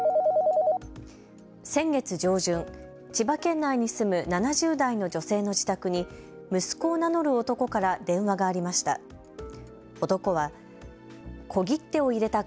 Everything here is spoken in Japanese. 先月上旬、千葉県内に住む７０代の女性の自宅に息子を名乗る男から電話がありました。